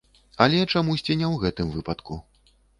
Але, чамусьці, не ў гэтым выпадку.